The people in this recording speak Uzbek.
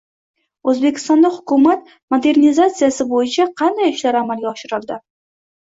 O‘zbekistonda hukumat modernizatsiyasi bo‘yicha qanday ishlar amalga oshirildi?